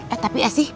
eh tapi esi